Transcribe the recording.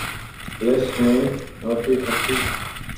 List may not be complete.